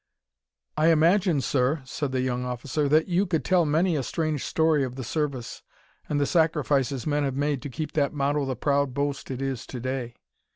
"I imagine, sir," said the young officer, "that you could tell many a strange story of the Service, and the sacrifices men have made to keep that motto the proud boast it is to day."